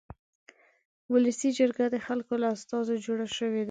ولسي جرګه د خلکو له استازو جوړه شوې ده.